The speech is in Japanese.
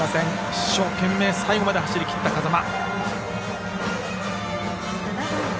一生懸命最後まで走りきった風間。